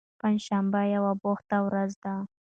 پنجشنبه یوه بوخته ورځ ده.